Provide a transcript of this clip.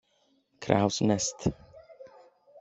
Crows Nest